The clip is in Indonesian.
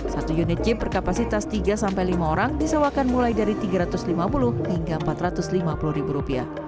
satu unit jeep berkapasitas tiga sampai lima orang disewakan mulai dari rp tiga ratus lima puluh hingga rp empat ratus lima puluh